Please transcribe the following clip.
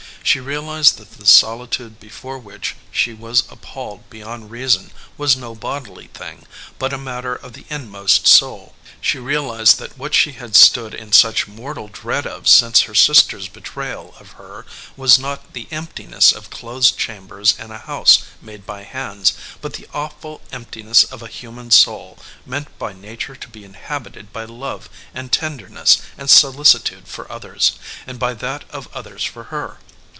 She realized that the solitude be fore which she was appalled beyond reason was no bodily thing, but a matter of the inmost soul. She realized that what she had stood in such mortal dread of since her sister s betrayal of her was not the emptiness of closed chambers in a house made by hands, but the awful emptiness of a human soul meant by nature to be inhabited by love and tender ness and solicitude for others, and by that of others for her.